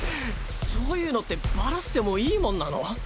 そういうのってバラしてもいいもんなの？